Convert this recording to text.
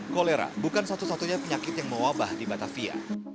kolera bukan satu satunya penyakit yang mewabah di batavia